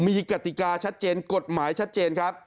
มีกติกาชัดเจนกฎหมายชัดเจนครับ